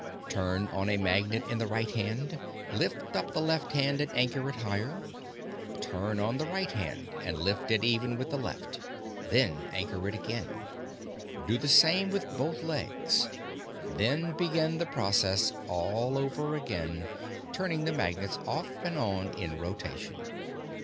Turn on a magnet in the right hand; lift up the left hand and anchor it higher; turn on the right hand and lift it even with the left, then anchor it again; do the same with both legs; then begin the process all over again, turning the magnets off and on in rotation.